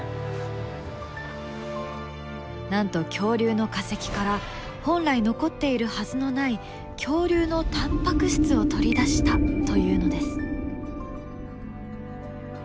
なんと恐竜の化石から本来残っているはずのない恐竜のタンパク質を取り出したというのです。